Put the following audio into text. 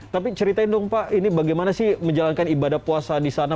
tapi ceritain dong pak ini bagaimana sih menjalankan ibadah puasa di sana